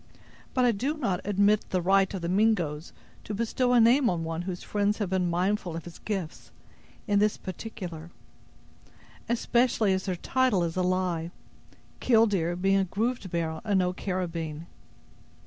But I do not admit the right of the Mingoes to bestow a name on one whose friends have been mindful of his gifts, in this particular; especially as their title is a lie, 'killdeer' being a grooved barrel and no carabyne.